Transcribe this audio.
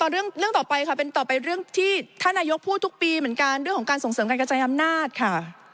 เรื่องต่อไปค่ะเป็นต่อไปเรื่องที่ท่านนายกพูดทุกปีเหมือนกันเรื่องของการส่งเสริมการกระจายอำนาจค่ะ